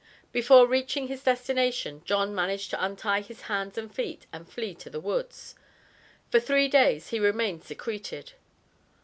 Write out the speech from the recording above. Before reaching his destination, John managed to untie his hands and feet and flee to the woods. For three days he remained secreted.